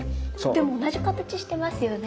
でも同じ形してますよね？